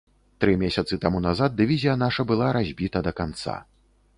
Тры месяцы таму назад дывізія наша была разбіта да канца.